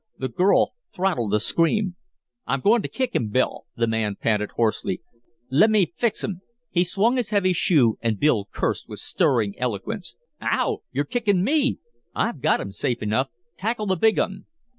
The girl throttled a scream. "I'm goin' to kick 'im, Bill," the man panted hoarsely. "Le' me fix 'im." He swung his heavy shoe, and Bill cursed with stirring eloquence. "Ow! You're kickin' me! I've got 'im, safe enough. Tackle the big un."